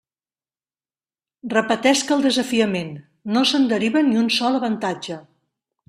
Repetesc el desafiament; no se'n deriva ni un sol avantatge.